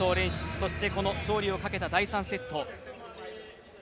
そして、この勝利をかけた第３セット。